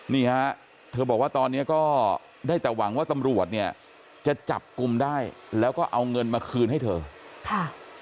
นี่ฮะเธอบอกว่าตอนนี้ก็ได้แต่หวังว่าตำรวจเนี่ยจะจับกลุ่มได้แล้วก็เอาเงินมาคืนให้เธอค่ะ